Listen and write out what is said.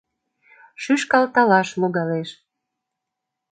Шӱшкалталаш логалеш.